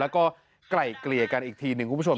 แล้วก็ไกล่เกลี่ยกันอีกทีหนึ่งคุณผู้ชม